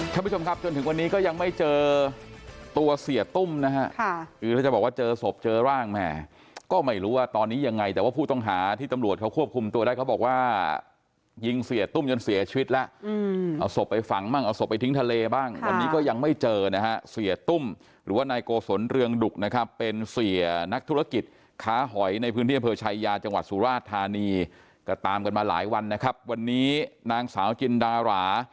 ค่ะค่ะค่ะค่ะค่ะค่ะค่ะค่ะค่ะค่ะค่ะค่ะค่ะค่ะค่ะค่ะค่ะค่ะค่ะค่ะค่ะค่ะค่ะค่ะค่ะค่ะค่ะค่ะค่ะค่ะค่ะค่ะค่ะค่ะค่ะค่ะค่ะค่ะค่ะค่ะค่ะค่ะค่ะค่ะค่ะค่ะค่ะค่ะค่ะค่ะค่ะค่ะค่ะค่ะค่ะค่ะ